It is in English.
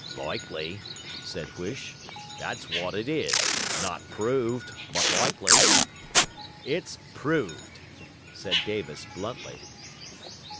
'Likely,' said Huish, 'that's w'at it is; not proved, but likely.' 'It's proved,' said Davis bluntly.